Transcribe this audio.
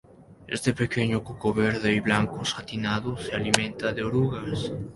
Este pequeño cuco verde y blanco satinado se alimenta de orugas.